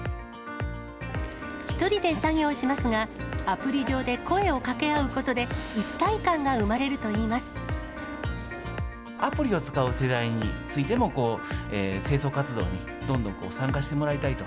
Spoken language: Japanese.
１人で作業しますが、アプリ上で声をかけ合うことで、一体感が生アプリを使う世代についても、清掃活動にどんどん参加してもらいたいと。